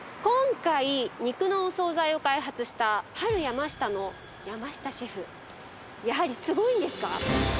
今回肉のお惣菜を開発したハルヤマシタの山下シェフやはりすごいんですか？